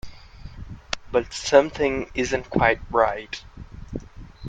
But something isn't quite right.